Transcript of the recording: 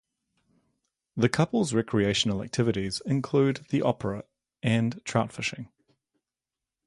The couple's recreational activities include the opera and trout fishing.